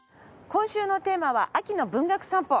今週のテーマは秋の文学散歩。